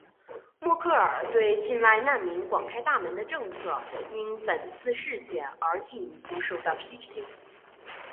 默克尔对境外难民广开大门的政策因本次事件而进一步受到批评。